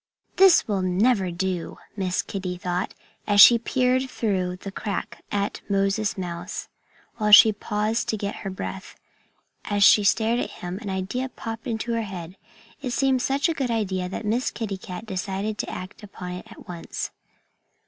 "This will never do," Miss Kitty thought, as she peered through the crack at Moses Mouse, while she paused to get her breath. And as she stared at him, an idea popped into her head. It seemed such a good idea that Miss Kitty Cat decided to act upon it at once.